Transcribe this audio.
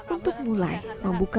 untuk mulai membuka